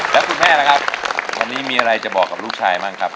แล้วคุณแม่ล่ะครับวันนี้มีอะไรจะบอกกับลูกชายบ้างครับ